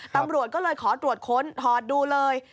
ตำรวจก็เลยขอตรวจค้นถอดดูเลย